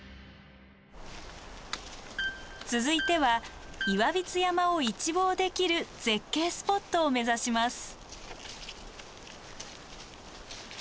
続いては岩櫃山を一望できる絶景スポットを目指します。